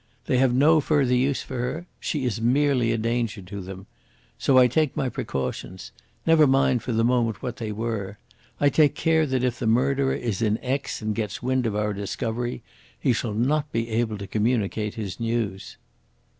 They have no further use for her. She is merely a danger to them. So I take my precautions never mind for the moment what they were. I take care that if the murderer is in Aix and gets wind of our discovery he shall not be able to communicate his news."